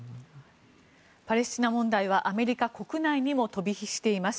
パレスチナ問題はアメリカ国内にも飛び火しています。